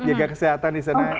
jaga kesehatan di sana